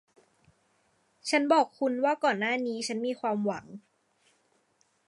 ฉันบอกคุณว่าก่อนหน้านี้ฉันมีความหวัง